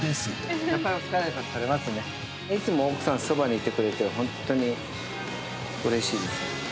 いつも奥さん、そばにいてくれて、本当にうれしいです。